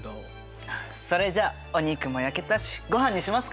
それじゃお肉も焼けたしごはんにしますか。